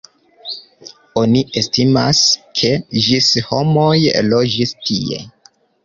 Oni estimas, ke ĝis homoj loĝis tie.